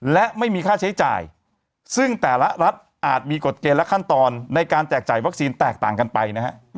และไม่มีค่าใช้จ่ายซึ่งแต่ละรัฐอาจมีกฎเกณฑ์และขั้นตอนในการแจกจ่ายวัคซีนแตกต่างกันไปนะฮะ